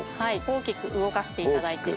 大きく動かしていただいて。